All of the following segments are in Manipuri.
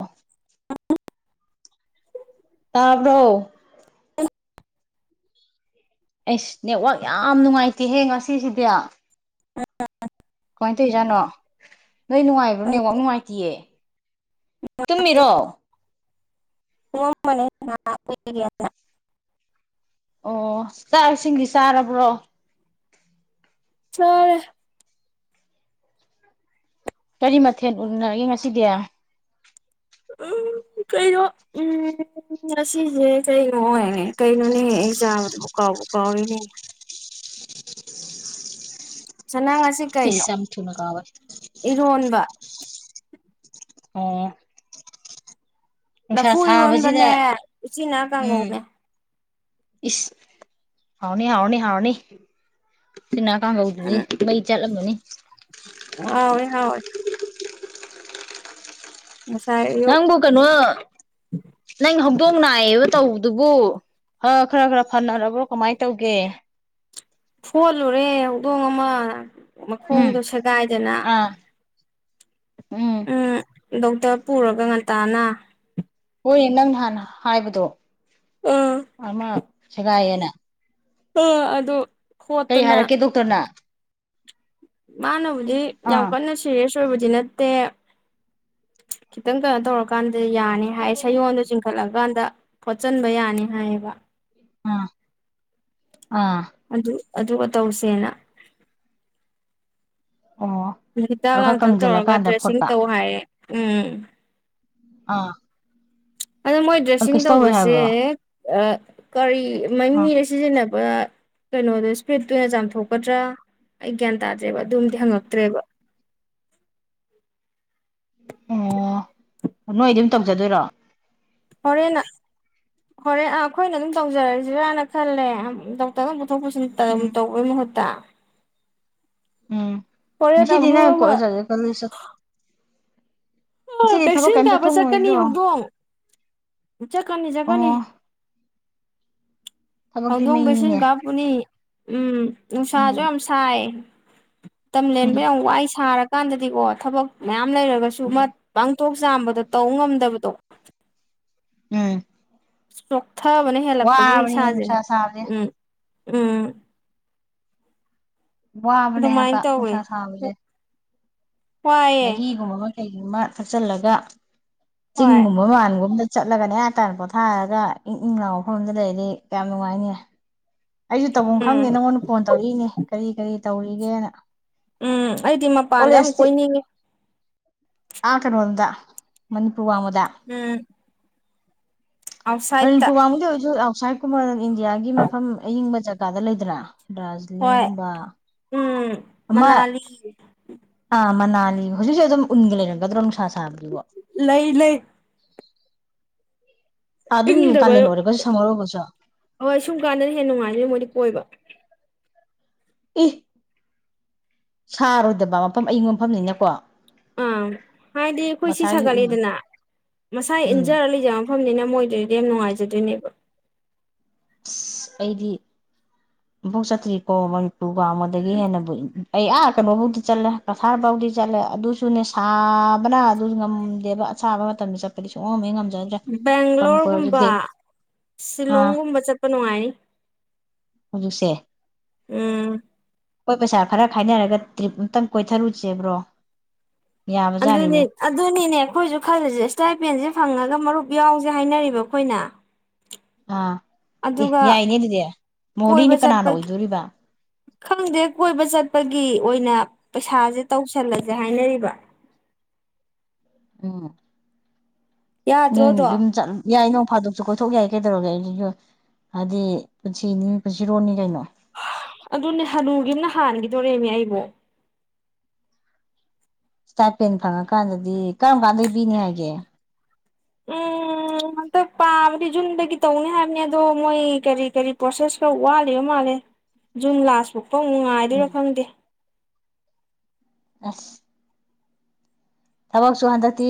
ꯑ ꯇꯥꯕ꯭ꯔꯣ ꯑꯩꯁ ꯅꯦꯠꯋꯥꯛ ꯌꯥꯝ ꯅꯨꯡꯉꯥꯏꯇꯦꯍꯦ ꯉꯁꯤꯁꯤꯗꯤ ꯑ ꯀꯃꯥꯏ ꯇꯧꯏꯖꯅꯣ ꯅꯣꯏ ꯅꯨꯡꯉꯥꯏꯕ꯭ꯔꯣ ꯅꯦꯠꯋꯥꯛ ꯅꯨꯡꯉꯥꯏꯇꯤꯌꯦ ꯇꯨꯝꯃꯤꯔꯣ [unintelligible] ꯑꯣ ꯆꯥꯛ ꯏꯁꯤꯡꯗꯤ ꯆꯥꯔꯕ꯭ꯔꯣ ꯆꯥꯔꯦ ꯀꯔꯤ ꯃꯊꯦꯜ ꯎꯅꯔꯒꯦ ꯉꯁꯤꯗꯤ ꯎꯝ ꯀꯩꯅꯣ ꯎꯝ ꯉꯁꯤꯁꯦ ꯀꯩꯅꯣ ꯑꯣꯏꯅꯦ ꯀꯩꯅꯣꯅꯦ ꯑꯩ ꯆꯥꯕꯗꯨꯕꯨ ꯀꯥꯎꯕ ꯀꯥꯎꯔꯦꯅꯦ ꯏꯃꯥ ꯉꯁꯤ ꯀꯩꯅꯣ ꯏꯁ ꯌꯥꯝ ꯊꯨꯅ ꯀꯥꯎꯋꯦ ꯏꯔꯣꯟꯕ ꯑꯣ ꯅꯨꯡꯁꯥ ꯂꯐꯨ ꯁꯥꯕꯁꯤꯗ ꯏꯔꯣꯟꯕꯅꯦ ꯎꯆꯤꯅꯥ ꯎꯝ ꯀꯥꯡꯉꯧꯅꯦ ꯏꯁ ꯍꯥꯎꯅꯤ ꯍꯥꯎꯅꯤ ꯍꯥꯎꯅꯤ ꯎꯆꯤꯅꯥ ꯀꯪꯍꯧꯗꯨꯗꯤ ꯃꯩ ꯆꯠꯂꯝꯃꯅꯤ ꯅꯤ ꯍꯥꯎ ꯋꯦ ꯍꯥꯎꯋꯦ ꯉꯁꯥꯏ ꯑꯌꯨꯛ ꯅꯪꯕꯨ ꯀꯩꯅꯣ ꯅꯪ ꯍꯧꯗꯣꯡ ꯅꯥꯏꯌꯦꯕ ꯇꯧꯕꯗꯨꯕꯨ ꯈꯔ ꯈꯔ ꯐꯅꯔꯕ꯭ꯔꯣ ꯀꯃꯥꯏꯅ ꯇꯧꯒꯦ ꯐꯣꯠꯂꯨꯔꯦ ꯍꯧꯗꯣꯡ ꯑꯃ ꯎꯝ ꯃꯈꯣꯡꯗꯣ ꯁꯦꯒꯥꯏꯗꯅ ꯑꯥ ꯎꯝ ꯗꯣꯛꯇꯔ ꯄꯨꯔꯒ ꯉꯟꯇꯥꯅ ꯍꯣꯏ ꯅꯪꯅ ꯍꯥꯟꯅ ꯍꯥꯏꯕꯗꯣ ꯑꯥ ꯑꯃ ꯁꯦꯒꯥꯏ ꯌꯦꯅ ꯑ ꯑꯗꯣ ꯀꯩ ꯍꯥꯏꯔꯛꯀꯦ ꯗꯣꯛꯇꯔꯅ ꯃꯥ ꯅꯕꯨ ꯗꯤ ꯌꯥꯝ ꯑꯥ ꯀꯟꯅ ꯁꯤꯔꯦꯁ ꯕꯨꯗꯤ ꯅꯠꯇꯦ ꯈꯤꯇꯪ ꯀꯩꯅꯣ ꯇꯧꯔꯀꯥꯟꯗ ꯑꯗꯨꯗ ꯌꯥꯅꯤ ꯍꯥꯏ ꯁꯌꯣꯜꯗꯣ ꯆꯤꯡꯈꯠꯂꯀꯥꯟꯗ ꯐ‌ꯣꯠꯆꯟꯕ ꯌꯥꯅꯤ ꯍꯥꯏꯌꯦꯕ ꯑ ꯑ ꯑꯗꯨ ꯑꯗꯨꯒ ꯇꯧꯁꯦꯅ ꯍꯤꯗꯥꯛ ꯑꯣ ꯈꯔ ꯂꯥꯡꯊꯛ ꯇꯧꯔꯒ ꯀꯪꯁꯤꯜꯂꯀꯥꯟꯗ ꯗ꯭ꯔꯦꯁꯤꯡ ꯐꯣꯠꯄ ꯇꯧ ꯍꯥꯏꯔꯦ ꯎꯝ ꯑꯥ ꯑꯗꯣ ꯃꯣꯏ ꯑ ꯗ꯭ꯔꯦꯁꯤꯡ ꯀꯩꯁꯨ ꯇꯧꯔꯣꯏ ꯇꯧꯕꯁꯦ ꯍꯥꯏꯕ꯭ꯔꯣ ꯑ ꯀꯔꯤ ꯃ ꯑꯥ ꯃꯤꯔꯦ ꯁꯤꯖꯤꯟꯅ ꯀꯩꯅꯣꯗꯣ ꯏꯁꯄ꯭ꯔꯤꯠꯇꯨ ꯑꯣꯏꯅ ꯆꯥꯝꯊꯣꯛꯀꯗ꯭ꯔꯥ ꯑꯩ ꯒ꯭ꯌꯥꯟ ꯇꯥꯗ꯭ꯔꯦꯕ ꯑꯗꯨꯝꯗꯤ ꯍꯪꯉꯛꯇ꯭ꯔꯦꯕ ꯑꯣ ꯅꯣꯏꯗꯤ ꯑꯗꯨꯝ ꯇꯧꯖꯗꯣꯏꯔꯣ ꯍꯣꯔꯦꯟꯟꯅ ꯍꯣꯔꯦꯟ ꯑꯩꯈꯣꯏꯅ ꯑꯗꯨꯝ ꯇꯧꯖꯔꯛꯁꯤꯔꯥꯅ ꯈꯜꯂꯦ ꯗꯣꯛꯇꯔ ꯄꯨꯠꯊꯣꯛ ꯄꯨꯁꯤꯟ ꯎꯝ ꯇꯧꯕꯩ ꯃꯍꯨꯠꯇ ꯎꯝ ꯃ ꯍꯣꯔꯦꯟ ꯁꯤꯗꯤꯅ ꯑꯃꯨꯛ ꯀ ꯑꯃ ꯆ ꯀꯁ ꯑꯣ ꯚꯦꯛꯁꯤꯟ ꯀꯥꯕ ꯆꯠꯀꯅꯤ ꯆꯠꯊꯣꯛꯂꯣꯏꯗ꯭ꯔꯣ ꯍꯧꯗꯣꯡ ꯆ ꯀꯅꯤ ꯆꯕꯅꯤ ꯑꯣ ꯊꯕꯛꯇꯤ ꯍꯧꯗ ꯁꯅ ꯃꯩꯅꯤꯅꯦ ꯀꯥ ꯄꯨꯅꯤ ꯎꯝ ꯅꯨꯡꯁꯥꯁꯨ ꯎꯝ ꯌꯥꯝ ꯁꯥꯏ ꯇ ꯂꯦꯟꯕ ꯎꯝ ꯌꯥꯝ ꯋꯥꯏ ꯁꯥꯔꯒ ꯀꯥꯟꯗꯗꯤꯀꯣ ꯊꯕꯛ ꯃꯌꯥꯝ ꯂꯩꯔꯒꯁꯨ ꯃ ꯎꯝ ꯀꯥꯡꯪꯊꯣꯛ ꯆꯥꯝꯕꯗ ꯇꯧ ꯉꯝꯗꯕꯗꯣ ꯎꯝ ꯁꯣꯛ ꯊꯕꯅ ꯍꯦꯜꯂꯛꯄꯒꯤ ꯋꯥꯕꯅꯤꯅꯦ ꯏꯁꯥꯁꯦ ꯅꯨꯡꯁꯥ ꯁꯥꯕꯁꯦ ꯎꯝ ꯎꯝ ꯋꯥꯕꯅꯦ ꯑꯗꯨꯃꯥꯏꯅ ꯇ ꯇꯧꯋꯦ ꯎꯁꯥ ꯁꯥꯕꯖꯦ ꯋꯥꯏꯑꯦ ꯅꯒꯨꯝꯃ ꯀ ꯑꯃ ꯊꯛꯆꯜꯂꯒ ꯍꯣꯏ ꯆꯤꯡꯒꯨꯝꯕ ꯃꯥꯟꯒꯨꯝ ꯆꯠꯂꯒꯅꯦ ꯍꯥꯏꯇꯥꯅ ꯄꯣꯊꯥꯔꯒ ꯏꯪ ꯏꯪ ꯂꯥꯎꯕ ꯃꯐꯝꯗ ꯂꯩꯔꯗꯤ ꯀꯌꯥꯝ ꯅꯨꯡꯉꯥꯏꯅꯤ ꯑꯩꯁꯨ ꯇꯧꯐꯝ ꯎꯝ ꯈꯪꯗꯦ ꯅꯪꯉꯣꯟꯗ ꯐꯣꯟ ꯇꯧꯔꯛꯏꯅꯦ ꯀꯔꯤ ꯀꯔꯤ ꯇꯧꯔꯤꯒꯦꯅ ꯎꯝ ꯑꯩꯗꯤ ꯃꯄꯥꯟꯗ ꯌꯥꯝꯨꯛ ꯀꯣꯏꯅꯤꯡꯉꯦ ꯑ ꯀꯔꯣꯗ ꯃꯅꯤ ꯀꯨꯋꯥꯃꯗ ꯎꯝ ꯑ ꯑꯥꯎꯠꯁꯥꯏꯗꯠꯇ ꯇꯨ ꯋꯥꯝ ꯀꯦ ꯁꯥꯀꯨꯃꯥ ꯏꯟꯗꯤꯌꯥꯒꯤ ꯃꯐꯝ ꯑꯏꯤꯡꯕ ꯆꯠ ꯀꯥꯗ ꯂꯩꯗꯅ ꯍꯣꯏ ꯔꯖꯤꯂꯤꯡꯒꯨꯝꯕ ꯎꯝ ꯃꯅꯥꯂꯤ ꯑꯥ ꯃꯅꯥ ꯍꯧꯖꯤꯛꯁꯨ ꯑꯗꯨꯝ ꯎꯟ ꯂꯩꯔꯝꯕꯗꯣ ꯂꯩ ꯂꯩ ꯑꯗꯨꯝ ꯏꯪꯗꯕ ꯀꯥꯂꯦꯟ ꯑꯣꯏꯔꯒꯁꯨ ꯁꯝꯃꯔ ꯑꯣꯏꯔꯒꯁꯨ ꯍꯣꯏ ꯁꯨꯝ ꯀꯥꯟꯗꯅ ꯍꯦꯟꯅ ꯅꯨꯡꯉꯥꯏꯖꯅ ꯃꯣꯏꯗꯤ ꯀꯣꯏꯕ ꯏ ꯁꯥꯔꯣꯏꯗꯕ ꯃꯐꯝ ꯑꯌꯪꯕ ꯃꯐꯝꯅꯤꯅꯀꯣ ꯑꯥ ꯍꯥꯏꯗꯤ ꯑꯩꯈꯣꯏ ꯁꯤ ꯃꯁꯥꯒꯤ ꯎꯟ ꯁꯥꯒꯠꯂꯤꯗꯅ ꯃꯁꯥ ꯎꯝ ꯏꯟꯖꯔꯂꯤꯖ ꯃꯐꯝꯅꯤꯅ ꯃꯣꯏꯗꯨꯗꯤ ꯌꯥꯝ ꯅꯨꯡꯉꯥꯏꯖꯗꯣꯏꯅꯦꯕ ꯑꯁ ꯑꯩꯗꯤ ꯑꯃꯨꯐꯥꯎ ꯆꯠꯇ꯭ꯔꯤꯀꯣ ꯃꯅꯤꯄꯨꯔꯒ ꯑꯃꯣꯟꯗꯒꯤ ꯍꯦꯟꯅꯕꯨ ꯑꯩ ꯑꯥ ꯀꯩꯅꯣ ꯐꯧꯗꯤ ꯆꯠꯂꯦ ꯀꯁꯥꯔ ꯐꯥꯎꯗꯤ ꯆꯠꯂꯦ ꯑꯗꯨꯁꯨꯅꯦ ꯁꯥꯕꯅ ꯑꯗꯨ ꯉꯝꯗꯦꯕ ꯑꯁꯥꯕ ꯃꯇꯝꯗ ꯆꯠꯄꯗꯤ ꯁꯨꯡꯉꯝ ꯉꯝꯗ ꯕꯦꯡꯒ꯭ꯂꯣꯔꯒꯨꯝꯕ ꯑꯥ ꯁꯤꯂꯣꯡꯒꯨꯝꯕ ꯆꯠꯄ ꯀꯅꯅꯨꯡꯉꯥꯏꯅꯤ ꯍꯧꯖꯤꯛꯁꯦ ꯎꯝ ꯑꯩꯈꯣꯏ ꯄꯩꯁꯥ ꯈꯔ ꯈꯥꯏꯅꯔꯒ ꯇ꯭ꯔꯤꯞ ꯑꯨꯇꯪ ꯀꯣꯏꯊꯔꯨꯁꯦꯕ꯭ꯔꯣ ꯑꯗꯨꯅꯤ ꯑꯗꯨꯅꯤꯅꯦ ꯑꯩꯈꯣꯏꯁꯨ ꯈꯜꯂꯁꯦ ꯏꯁꯇꯥꯏꯄꯦꯟꯁꯦ ꯐꯪꯉꯒ ꯃꯔꯨꯞ ꯌꯥꯎꯁꯦ ꯍꯥꯏꯅꯔꯤꯕ ꯑꯩꯈꯣꯏꯅ ꯑꯥ ꯑꯦ ꯑꯗꯨꯒ ꯌꯥꯏꯅꯦ ꯑꯗꯨꯗꯤ ꯀꯣꯏꯕ ꯃꯣꯍꯣꯔꯤꯅ ꯀꯅꯥꯅ ꯆꯠꯄ ꯑꯣꯏꯗꯣꯔꯤꯕ ꯈꯪꯗꯦ ꯀꯣꯏꯕ ꯆꯠꯄꯒꯤ ꯑꯣꯏꯅ ꯄꯩꯁꯥꯁꯦ ꯇꯧꯁꯜꯂꯁꯦ ꯍꯥꯏꯅꯔꯤꯕ ꯑꯣ ꯅꯣꯏ ꯌꯥꯗ꯭ꯔꯣꯗꯣ ꯑꯗꯨꯝ ꯆꯠ ꯌꯥꯏ ꯅꯣꯡ ꯐꯥꯗꯣꯛꯁꯨ ꯀꯣꯏꯊꯣꯛ ꯌꯥꯏ ꯀꯩꯗꯧꯔꯒꯦ ꯍꯥꯏꯗꯤ ꯄꯨꯟꯁꯤꯅꯤ ꯄꯨꯟꯁꯤꯔꯣꯅꯤ ꯀꯩꯅꯣ ꯑꯗꯨꯅꯦ ꯍꯂꯨꯒꯤꯅ ꯍꯥꯟꯈꯤꯗꯣꯔꯦꯅꯦ ꯑꯩꯕꯨꯣ ꯏꯁꯇꯥꯥꯏꯠ ꯄꯦꯟ ꯐꯪꯉ ꯀꯥꯟꯗꯗꯤ ꯀꯔꯝ ꯀꯥꯟꯗ ꯄꯤꯅꯤ ꯍꯥꯏꯒꯦ ꯎꯝ ꯍꯟꯇꯛ ꯄꯥꯕꯗꯤ ꯖꯨꯟꯗꯒꯤ ꯇꯧꯅꯤ ꯍꯥꯏꯕꯅꯤ ꯑꯗꯣ ꯃꯣꯏ ꯀꯔꯤ ꯀꯔꯤ ꯄ꯭ꯔꯣꯁꯦꯁ ꯈꯔ ꯋꯥꯠꯂꯤꯕ ꯃꯥꯜꯂꯦ ꯖꯨꯟ ꯂꯥꯁ ꯐꯥꯎ ꯀꯣꯡ ꯅꯨꯡꯉꯥꯏꯗꯨꯣꯏꯔꯥ ꯈꯪꯗꯦ ꯑꯁ ꯊꯕꯛꯁꯨ ꯍꯟꯗꯛꯇꯤ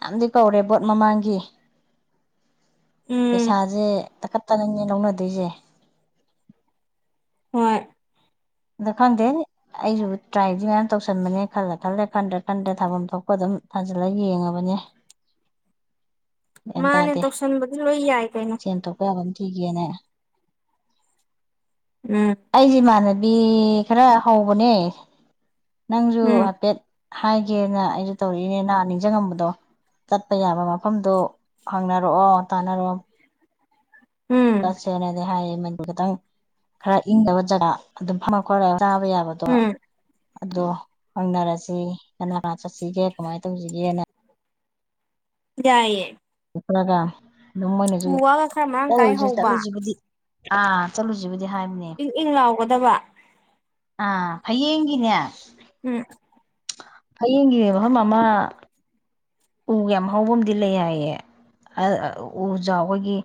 ꯌꯥꯝꯗꯤ ꯀꯧꯔꯦ ꯕꯣꯠ ꯃꯃꯥꯡꯒꯤ ꯎꯝ ꯄꯩꯁꯥꯥꯁꯦ ꯇꯅꯤꯡꯅꯦꯦ ꯂꯧꯅꯗꯣꯏꯁꯦ ꯍꯣꯏ ꯑꯗ ꯈꯪꯗꯦ ꯑꯩꯁꯨ ꯇ꯭ꯔꯥꯏꯗꯤ ꯃꯌꯥꯝ ꯇꯧꯁꯟꯕꯅꯦ ꯈꯜꯂꯦ ꯈꯜꯂꯦ ꯈꯟꯗ꯭ꯔ ꯈꯟꯗ꯭ꯔ ꯊꯥꯐꯝ ꯊꯣꯛꯄ ꯑꯗꯨꯝ ꯊꯥꯖꯤꯜꯂ ꯌꯦꯡꯉꯕꯅꯦ ꯒ꯭ꯌꯥꯟ ꯃꯥꯅꯦ ꯇꯥꯗꯦ ꯇꯧꯁꯟꯕꯗꯤ ꯂꯣꯏ ꯌꯥꯏ ꯀꯩꯅꯩꯅꯣ ꯊꯒꯤꯦꯅꯦ ꯎꯝ ꯑꯩꯖꯤ ꯃꯥꯅꯗ ꯕꯤ ꯈꯔ ꯍꯧꯕꯅꯦ ꯅꯪꯁꯨ ꯎꯝ ꯍꯥꯏꯐꯦꯠ ꯍꯥꯏꯒꯦꯅ ꯑꯩꯁꯨ ꯇꯧꯔꯛꯏꯅꯦ ꯅꯍ ꯅꯤꯡꯁꯤꯡꯉꯝꯕꯗꯣ ꯆꯠꯄ ꯌꯥꯕ ꯃꯐꯝꯗꯣ ꯍꯪꯅꯔꯛꯑꯣ ꯇꯥꯟꯅꯔꯑꯣ ꯎꯝ ꯍꯥꯏꯌꯦ ꯃꯅꯤꯄꯨꯔ ꯈꯤꯇꯪ ꯈꯔ ꯏꯪꯗꯕ ꯖꯒꯥ ꯑꯗꯨꯝ ꯐꯝꯉ ꯈꯔ ꯆꯥꯕ ꯌꯥꯕꯗꯣ ꯎꯝ ꯑꯗꯣ ꯍꯪꯅꯔꯁꯤ ꯀꯅꯥ ꯆꯠꯁꯤꯒꯦ ꯀꯃꯥꯏꯅ ꯇꯧꯁꯤꯒꯦꯅ ꯌꯥꯏꯌꯦ ꯭ꯔꯒ ꯑꯗꯨꯝ ꯎ ꯃꯣꯏꯅꯁꯨ ꯋꯥꯒ ꯈꯔ ꯃꯔꯥꯡ ꯀꯥꯏ ꯇꯧꯔꯨꯁ ꯍꯧꯕ ꯆꯠꯂꯨꯁꯤꯕꯨꯗꯤ ꯑ ꯆꯂꯨ ꯆꯕꯨ ꯏꯪ ꯏꯪ ꯂꯥꯎꯒꯗꯕ ꯍꯌꯦꯡꯒꯤꯅꯦ ꯎꯝ ꯍꯌꯦꯡꯒꯤꯅꯦ ꯃꯐꯝ ꯑꯃ ꯎꯒ ꯌꯥꯝ ꯍꯥꯎꯧꯕ ꯑꯃꯗꯤ ꯂꯩ ꯍꯥꯏꯌꯦ ꯎꯖꯥꯎ ꯑꯩꯈꯣꯏꯒꯤ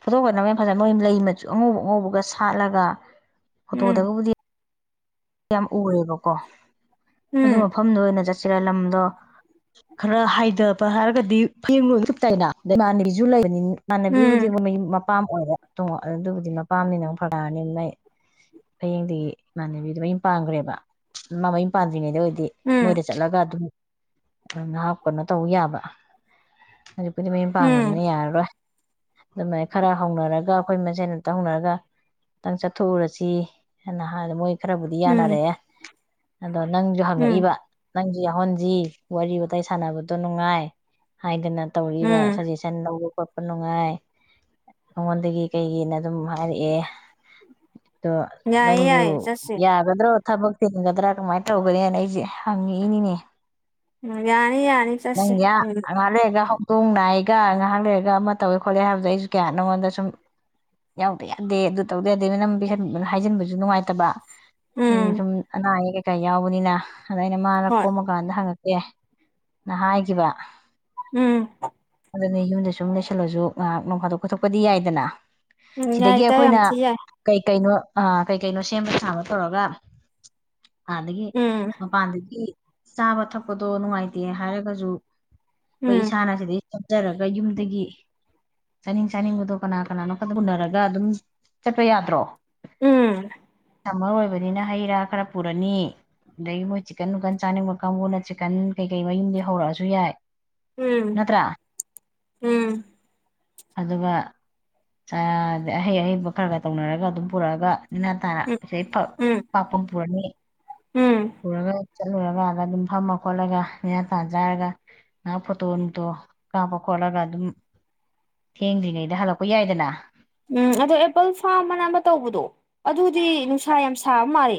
ꯐꯣꯇꯣꯛ ꯈꯠꯅꯕ ꯌꯥꯝ ꯐꯖꯅ ꯃꯣꯏ ꯂꯩ ꯃꯆꯨ ꯑꯉꯧꯕ ꯑꯉꯧꯕꯒ ꯁꯥꯠꯂꯒ ꯐ ꯎꯝ ꯇꯣꯗꯒꯕꯨꯗꯤ ꯌꯥꯝ ꯎꯑꯦꯕꯀꯣ ꯑꯗꯨ ꯎꯝ ꯃꯐꯝꯗ ꯑꯣꯏꯅ ꯆꯠ ꯁꯤꯔꯥꯏ ꯂꯝꯗꯣ ꯈꯔ ꯍꯥꯏꯊꯕ ꯍꯥꯏꯔꯒꯗꯤ ꯐꯌꯦꯡ ꯂꯣꯏꯨꯞꯇꯥꯏꯅꯗ ꯏꯃꯥꯟꯅꯕꯤꯁꯨ ꯂꯩꯕꯅꯤ ꯎꯝ ꯃꯥꯥꯟꯅꯕꯤꯕꯨꯗꯤꯒꯨꯝꯩ ꯑꯄꯥꯝ ꯑꯣꯏꯔ ꯇꯣꯡꯉ ꯑꯗꯨꯕꯨꯗꯤ ꯃꯄꯥꯝꯅꯤꯅꯪ ꯐꯅꯔꯅꯤ ꯃꯩ ꯍꯌꯦꯡꯗꯒꯤ ꯏꯃꯥꯟꯅꯕꯤꯗꯨ ꯃ ꯄꯥꯡꯈ꯭ꯔꯦꯕ ꯃꯃꯩ ꯄꯥꯟꯗ꯭ꯔꯤꯉꯩꯗ ꯑꯣꯏ ꯍꯥꯏꯗꯤ ꯎꯝ ꯃꯣꯏꯗ ꯆꯠꯂꯒ ꯑꯗꯨꯝ ꯉꯍꯥꯛꯞꯄꯅꯣ ꯇꯧ ꯌꯥꯕ ꯑꯗꯨꯅꯤꯄꯨꯗꯤ ꯃꯌꯨꯝ ꯎꯝ ꯄꯥꯡꯉꯃꯤꯅꯤ ꯌꯥꯔꯔꯣꯏ ꯑꯗꯨꯃꯥꯏꯅ ꯈꯔ ꯍꯧꯅꯔꯒ ꯑꯩꯈꯣꯏ ꯃꯁꯦꯟ ꯑꯝꯇ ꯍꯧꯅꯔꯒ ꯑꯇꯪ ꯆꯠꯊꯣꯛꯎꯔꯁꯤ ꯍꯥꯏꯅ ꯍꯥꯏꯥꯟꯗ ꯃꯣꯏ ꯈꯔ ꯎꯝ ꯃꯌꯥꯅꯔꯦ ꯑꯗꯣ ꯅꯪꯁꯨ ꯎꯝ ꯍꯪꯉꯛꯏꯕ ꯅꯪ ꯌꯥꯎꯍꯟꯁꯤ ꯋꯥꯔꯤ ꯋꯥꯋꯇꯥꯏ ꯁꯥꯟꯅꯕꯗꯣ ꯅꯨꯡꯉꯥꯏ ꯍꯥꯏꯗꯅ ꯇꯧꯔꯤꯕ ꯎꯝ ꯁꯖꯦꯁꯟ ꯈꯣꯠꯄ ꯅꯨꯡꯉꯥꯏ ꯑꯩꯉꯣꯟꯗꯒꯤ ꯀꯩꯒꯤꯅ ꯑꯗꯨꯝ ꯍꯥꯏꯔꯛꯑꯦ ꯑꯗꯣ ꯌꯥꯏ ꯅꯪꯁꯨ ꯌꯥꯏ ꯆꯠꯁꯦ ꯌꯥꯒꯗ꯭ꯔꯣ ꯊꯕꯛ ꯇꯤꯟꯒꯗ꯭ꯔꯥ ꯀꯃꯥꯏꯅ ꯇꯧꯒꯅꯤꯅ ꯑꯩꯁꯦ ꯍꯪꯉꯛꯏꯅꯤꯅꯦ ꯌꯥꯅꯤ ꯌꯥꯅꯤ ꯆꯁꯦ ꯊꯣꯡ ꯅꯥꯏꯒ ꯉꯥꯏꯍꯥꯛ ꯂꯩꯔꯒ ꯑꯃ ꯇꯧꯋꯦ ꯈꯣꯠꯂꯦ ꯍꯥꯏꯕꯗ ꯑꯩꯁꯨ ꯀꯌꯥ ꯅꯪꯉꯣꯟꯗ ꯁꯨꯝ ꯌꯥꯎꯗ ꯌꯥꯗꯦ ꯑꯗꯨ ꯇꯧꯗꯦ ꯑꯗꯩ ꯅꯪ ꯄ ꯍꯥꯏꯖꯤꯟꯕꯁꯨ ꯅꯨꯡꯉꯥꯏꯇꯕ ꯁ ꯎꯝ ꯅꯑ ꯀꯩꯕꯅꯤꯅ ꯑꯗꯨꯥꯏꯅ ꯃꯥꯂ ꯍꯣꯏ ꯀꯣꯝꯃꯀꯥꯟꯗ ꯍꯪꯉꯛ ꯑꯦ ꯅ ꯍꯥꯏꯈꯤꯕ ꯎꯝ ꯑꯗꯨꯅ ꯌꯨꯝꯗ ꯁꯨꯝ ꯂꯩꯩꯁꯤꯜꯂꯁꯨ ꯉꯥꯏꯍꯥꯛ ꯅꯣꯡ ꯐꯥꯗꯣꯛ ꯈꯠꯇꯣꯛꯄꯗꯤ ꯌꯥꯏꯗꯅ ꯎꯝ ꯁꯤꯗꯒꯤ ꯌꯥꯏꯗ ꯌꯥꯝ ꯑꯩꯈꯣꯏꯅ ꯊꯤ ꯌꯥꯏ ꯀꯩ ꯀꯩꯅꯣ ꯑꯥ ꯀꯩ ꯀꯩꯅꯣ ꯁꯦꯝꯕ ꯁꯥꯕ ꯄꯨꯔꯒ ꯑꯗꯒꯤ ꯎꯝ ꯃꯄꯥꯟꯗꯒꯤ ꯆꯥꯕ ꯊꯛꯄꯗꯣ ꯅꯨꯡꯉꯥꯏꯇꯦ ꯍꯥꯏꯔꯒꯁꯨ ꯀꯣꯏ ꯎꯝ ꯏꯁꯥꯅꯥꯁꯤ ꯍꯥꯞꯆꯔꯒ ꯌꯨꯝꯗꯒꯤ ꯆꯥꯅꯤꯡ ꯆꯥꯅꯤꯡꯕꯗꯣ ꯀꯅꯥ ꯀꯅꯥꯅꯣ ꯈ ꯎꯅꯔꯒ ꯑꯗꯨꯝ ꯆꯠꯄ ꯌꯥꯗ꯭ꯔꯣ ꯎꯝ ꯁꯝꯃꯔ ꯑꯣꯏꯕꯅꯤꯅ ꯍꯩ ꯔꯥ ꯈꯔ ꯄꯨꯔꯅꯤ ꯑꯗꯒꯤ ꯃꯣꯏ ꯆꯤꯛꯀꯟ ꯅꯨꯡꯛꯀꯟ ꯆꯥꯅꯤꯡꯕ ꯀꯥꯡꯕꯨꯅꯠ ꯆꯤꯛꯀꯟ ꯀꯩꯀꯩ ꯃꯌꯨꯝꯗꯤ ꯍꯧꯔꯛꯑꯁꯨ ꯌꯥꯏ ꯎꯝ ꯅꯠꯇ꯭ꯔꯥ ꯎꯝ ꯑꯗꯨꯒ ꯑꯍꯩ ꯑꯍꯩꯕ ꯈꯔ ꯈꯔ ꯇꯧꯅꯔꯒ ꯑꯗꯨꯝ ꯄꯨꯔꯛꯑꯒ ꯎꯝ ꯉꯁꯥꯏ ꯎꯝ ꯄꯥꯛꯄꯝ ꯄꯨꯔꯅꯤ ꯎꯝ ꯄꯨꯔꯒ ꯆꯠꯂꯨꯔꯀꯗ ꯑꯗꯨꯝ ꯐꯝꯃ ꯈꯣꯠꯂꯒ ꯌꯥꯥꯊꯥ ꯆꯥꯔꯒ ꯉꯥꯏꯍꯥꯛ ꯐꯣꯇꯣ ꯅꯨꯡꯇꯣ ꯀꯥꯞꯄ ꯈꯣꯠꯂꯒ ꯑꯗꯨꯝ ꯊꯦꯡꯗ꯭ꯔꯤꯉꯩꯗ ꯍꯜꯂꯛꯄ ꯌꯥꯏꯗꯅ ꯎꯝ ꯑꯗꯣ ꯑꯦꯄꯜ ꯐꯥꯔꯝ ꯑꯅ ꯑꯃ ꯇꯧꯕꯗꯣ ꯑꯗꯨꯗꯤ ꯅꯨꯡꯁꯥ ꯌꯥꯝ ꯁꯥꯕ ꯃꯥꯜꯂꯤ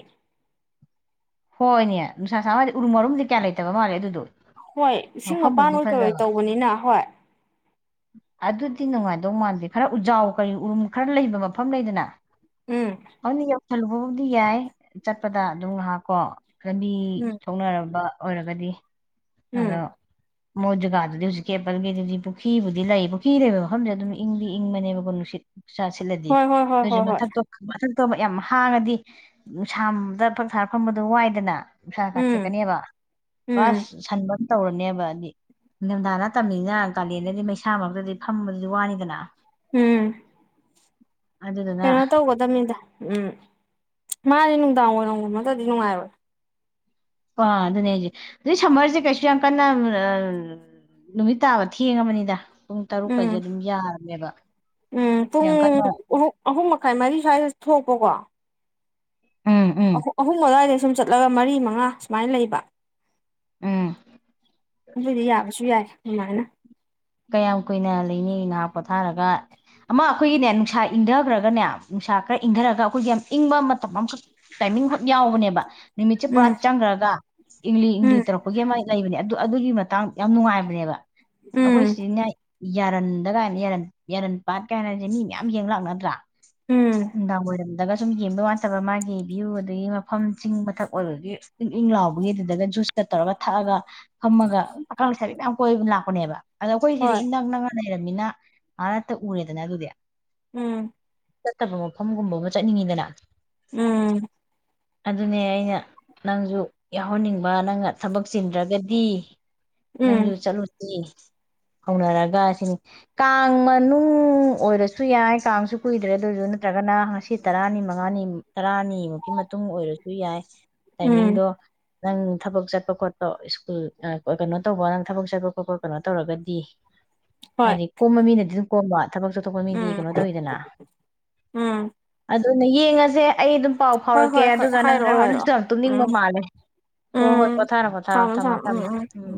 ꯍꯣꯏꯅꯦ ꯅꯨꯡꯁꯥ ꯁꯥꯥꯝꯗꯤ ꯎꯔꯨ ꯃꯔꯨꯝꯗꯤ ꯀꯌꯥ ꯂꯩꯇꯕ ꯃꯥꯂꯦ ꯑꯗꯨꯗꯣ ꯍꯣꯏ ꯏꯁꯤꯡ ꯃꯄꯜ ꯃꯐꯝꯗꯨꯗꯤ ꯑꯣꯏ ꯀꯣꯏ ꯐꯖꯕ ꯇꯧꯕꯅꯤꯅ ꯍꯣꯏ ꯤ ꯅꯨꯡꯉꯥꯏꯗꯧ ꯃꯥꯟꯗꯦ ꯈꯔ ꯎꯖꯥꯎ ꯀꯔꯤ ꯎꯔꯨꯝ ꯈꯔ ꯂꯩꯕ ꯃꯐꯝ ꯂꯩꯗꯅ ꯎꯝ ꯑꯅꯤ ꯊꯂꯨꯕꯕꯨꯗꯤ ꯌꯥꯏ ꯆꯠꯄꯗ ꯑꯗꯨꯝ ꯉꯥꯏꯍꯥꯛ ꯀ ꯈꯕꯤ ꯎꯝ ꯁꯥꯎꯅꯔꯕ ꯑꯣꯏꯔꯒꯗꯤ ꯎꯝ ꯑꯗꯣ ꯃꯣꯏꯠ ꯖꯒꯥꯗꯨꯗꯤ ꯍꯧꯖꯤꯛꯀꯤꯦꯄꯜꯒꯤꯩꯗꯨꯗꯤ ꯄꯨꯈ꯭ꯨꯗꯤ ꯂꯩ ꯄꯨꯈ꯭ꯔꯤ ꯂꯩꯕ ꯃꯐꯝꯁ ꯑꯗꯨꯝ ꯏꯪꯗꯤ ꯏꯪꯕꯅꯦꯕꯀꯣ ꯅꯨꯡꯁꯤꯠ ꯆꯥ ꯁꯤꯜꯂꯗꯤ ꯍꯣꯏ ꯍꯣꯏ ꯍꯣꯏ ꯅꯣꯏꯁꯨ ꯍꯣꯏ ꯍꯣꯏ ꯃꯊꯊ ꯊꯥꯕꯥꯞ ꯌꯥꯝ ꯍꯥꯡꯉꯗꯤ ꯅꯨꯡꯁꯥꯝꯗ ꯐꯛ ꯊ ꯐꯝꯕꯗꯣ ꯋꯥꯏꯗꯅ ꯅꯨꯡꯁꯥ ꯎꯝ ꯀꯥꯊꯦꯛꯀꯅꯦꯕ ꯎꯝ [unintelligible] ꯁꯟꯕ ꯇꯧꯔꯅꯦꯕ ꯍꯥꯏꯗꯤ ꯅꯤꯡꯊꯝꯊꯥ ꯅꯥꯇꯥꯃꯤꯅꯥ ꯀꯥꯂꯦꯟꯗꯗꯤ ꯃꯩꯁꯥ ꯃꯔꯛꯇꯗꯤ ꯐꯝꯕꯗꯨꯗꯤ ꯋꯥꯅꯤꯗꯅ ꯎꯝ ꯑꯗꯨꯗꯨꯅ ꯀꯩꯅꯣ ꯇꯧꯒꯗꯅꯤꯗ ꯎꯝ ꯃꯥꯅꯦ ꯅꯨꯡꯗꯥꯡ ꯋꯥꯏꯔꯝꯒꯃ ꯅꯥꯗ꯭ꯔꯗꯤ ꯅꯨꯡꯉꯥꯏꯔꯣꯏ ꯑꯥ ꯑꯗꯨꯅꯦ ꯍꯧꯖꯤ ꯑꯗꯨꯏ ꯁꯝꯃꯔꯁꯦ ꯀꯩꯁꯨ ꯌꯥꯝ ꯀꯟꯅ ꯅꯨꯃꯤꯠ ꯇꯥꯕ ꯊꯦꯡꯉꯕꯅꯤꯗ ꯄꯨꯡ ꯎꯝ ꯇꯔꯨꯛꯀꯁꯦ ꯑꯗꯨꯝ ꯌꯥ ꯅꯦꯕ ꯎꯝ ꯄꯨꯡ ꯑꯍꯨꯝ ꯃꯈꯥꯏ ꯃꯔꯤ ꯁ꯭ꯋꯥꯏꯗ ꯊꯣꯛꯄꯀꯣ ꯎꯝ ꯎꯝ ꯑꯍ ꯑꯍꯨꯝ ꯑꯥꯗꯨꯋꯥꯏ ꯁꯨꯝ ꯆꯠꯂꯒ ꯃꯔꯤ ꯃꯉꯥ ꯁꯨꯃꯥꯏꯅ ꯂꯩꯕ ꯎꯝ ꯑꯗꯨꯏꯗꯤ ꯌꯥꯕꯁꯨ ꯌꯥꯏ ꯑꯗꯨꯃꯥꯏꯅ ꯀꯌꯥꯝ ꯀꯨꯏꯅ ꯂꯩꯅꯦ ꯉꯍꯥꯛ ꯄꯣꯊꯥꯔꯒ ꯑꯃ ꯑꯩꯈꯣꯏꯒꯤꯅꯦ ꯅꯨꯡꯁꯥ ꯏꯪꯊꯈ꯭ꯔꯒꯅꯦ ꯅꯨꯡꯁꯥ ꯈꯔ ꯏꯪꯊꯔꯒ ꯑꯩꯈꯣꯏꯒꯤ ꯌꯥꯝ ꯏꯪꯕ ꯃꯇꯝ ꯑꯃꯈꯛ ꯇꯥꯏꯃꯤꯡꯈꯛ ꯌꯥꯎꯕꯅꯦꯕ ꯅꯨꯃꯤꯠꯁꯦ ꯄꯨꯔꯥ ꯎꯝ ꯆꯪꯈ꯭ꯔꯒ ꯏꯪꯂꯤ ꯏꯪꯂꯤ ꯎꯝ ꯇꯧꯔꯛꯄꯒꯤ ꯑꯃ ꯂꯩꯕꯅꯦ ꯑꯗꯨ ꯑꯗꯨꯒꯤ ꯃꯇꯥꯡ ꯌꯥꯝ ꯅꯨꯡꯉꯥꯏꯕꯅꯦꯕ ꯑꯩꯈꯣꯏ ꯎꯝ ꯁꯤꯏ ꯌꯥꯔꯟꯗ ꯀꯥꯏꯅ ꯌꯥꯔꯟ ꯌꯥꯔꯟ ꯄꯥꯠ ꯀꯥꯏꯅꯁꯦ ꯃꯤ ꯃꯌꯥꯝ ꯌꯦꯡ ꯂꯥꯛꯅꯗꯔꯥ ꯎꯝ ꯅꯨꯝꯗꯥꯡ ꯋꯥꯏꯔꯝꯗꯒ ꯁꯨꯝ ꯌꯦꯡꯕ ꯋꯥꯥ ꯟꯠꯕ ꯃꯥꯒꯤ ꯚ꯭ꯌꯨ ꯑꯗꯒꯤ ꯃꯐꯝ ꯆꯤꯡ ꯃꯊꯛ ꯑꯣꯏꯕꯒꯤ ꯏꯪ ꯏꯪ ꯂꯥꯎꯕꯒꯤ ꯑꯗꯨꯗꯒ ꯖꯨꯁꯀ ꯇꯧꯔꯒ ꯊꯛꯑꯒ ꯍꯃꯒ ꯄꯈꯥꯡ ꯂꯩꯁꯕꯤ ꯃꯌꯥꯝ ꯀꯣꯏꯕ ꯂꯥꯛꯄꯥꯅꯦꯟ ꯑꯗꯣ ꯑꯩꯈꯣꯏꯁꯤꯗꯤ ꯍꯣꯏ ꯏꯅꯛ ꯅꯛ ꯂꯩꯔꯝꯃꯤꯅ ꯑꯥꯇꯥ ꯎꯔꯦꯗꯅ ꯑꯗꯨꯗꯤ ꯎꯝ ꯆꯠꯇꯕ ꯃꯐꯝꯒꯨꯝꯕ ꯑꯃ ꯆꯠꯅꯤꯡꯉꯤꯗꯅ ꯎꯝ ꯑꯗꯨꯅꯦ ꯑꯩꯅ ꯅꯪꯁꯨ ꯌꯥꯎꯍꯟꯅꯤꯡꯕ ꯅꯪꯅ ꯊꯕꯛ ꯆꯤꯟꯗ꯭ꯔꯒꯗꯤ ꯅꯪꯁꯨ ꯎꯝ ꯆꯠꯂꯨꯁꯤ ꯍꯧꯅꯔꯒ ꯁꯤꯅꯤ ꯀꯥꯡ ꯃꯅꯨꯡ ꯑꯣꯏꯔꯁꯨ ꯌꯥꯏ ꯀꯥꯡ ꯀꯨꯏꯗ꯭ꯔꯦ ꯑꯗꯨꯗꯨꯟ ꯅꯠꯇ꯭ꯔꯒꯅ ꯉꯁꯤ ꯇꯔꯥꯅꯤ ꯃꯉꯥꯅꯤ ꯇꯔꯥꯅꯤꯃꯨꯛꯀꯤ ꯃꯇꯨꯡ ꯑꯣꯏꯔꯁꯨ ꯌꯥꯏ ꯎꯝ ꯇꯥꯏꯃꯤꯡꯗ ꯅꯪ ꯊꯕꯛ ꯆꯠꯄ ꯈꯣꯠꯄ ꯁ꯭ꯀꯨꯜ ꯀꯩꯅꯣ ꯇꯧꯕ ꯅꯪ ꯊꯕꯛ ꯆꯠꯄ ꯈꯣꯠꯄ ꯀꯩꯅꯣ ꯇꯧꯔꯒꯗꯤ ꯍꯣꯏ ꯍꯥꯏ ꯀꯨꯝꯃꯃꯤꯅꯦ ꯑꯗꯨ ꯀꯣꯃꯠ ꯊꯕꯛ ꯆꯠꯊꯣꯛꯄ ꯃꯤꯗꯤ ꯎꯝ ꯀꯩꯅꯣ ꯇꯧꯋꯤꯗꯅ ꯎꯝ ꯑꯗꯨꯅ ꯌꯦꯡꯉꯁꯦ ꯑꯩ ꯑꯗꯨꯝ ꯄꯥꯎ ꯍꯣꯏ ꯐꯥꯎꯔꯛꯀꯦ ꯍꯣꯏ ꯍꯣꯏ ꯑꯗꯨꯒ ꯅꯪ ꯍꯥꯏꯔꯛꯑꯣ ꯍꯥꯏꯔꯣ ꯍꯥꯏꯔꯛꯑꯣ ꯅꯪꯁꯨ ꯇꯨꯝꯅꯤꯡꯕ ꯎꯝ ꯃꯥꯜꯂꯦ ꯍꯣꯏ ꯍꯣꯏ ꯄꯣꯊꯥꯔꯣ ꯄꯣꯊꯥꯔꯣ ꯊꯝꯃꯣ ꯊꯝꯃꯣ ꯎꯝ